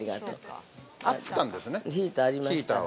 ヒーターありましたわ。